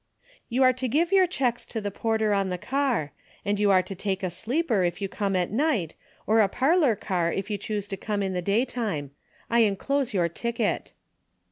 ''You are to give your checks to the porter on the car — and you are to take a sleeper if you come at night, or a parlor car if you choose to come in the daytime. I enclose your ticket."